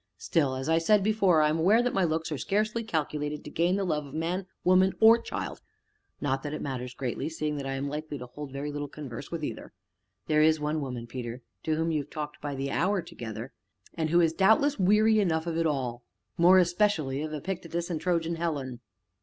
Still, as I said before, I am aware that my looks are scarcely calculated to gain the love of man, woman, or child; not that it matters greatly, seeing that I am likely to hold very little converse with either." "There is one woman, Peter, to whom you have talked by the hour together " "And who is doubtless weary enough of it all more especially of Epictetus and Trojan Helen."